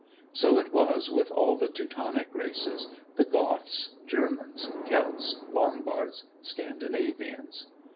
So it was with all the Teutonic races, the Goths, Germans, Kelts, Lombards, Scandinavians.